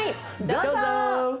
どうぞ！